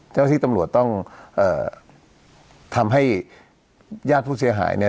เจ้าที่ตำรวจต้องเอ่อทำให้ญาติผู้เสียหายเนี่ย